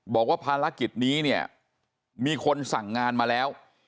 บอกว่าภารกิจนี้เนี่ยมีคนสั่งงานมาแล้ว